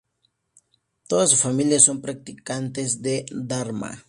Toda su familia son practicantes de dharma.